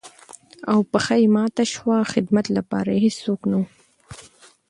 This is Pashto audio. او پښه يې ماته شوه ،خدمت لپاره يې هېڅوک نه وو.